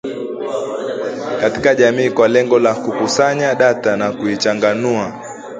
katika jamii kwa lengo la kukusanya data na kuichanganua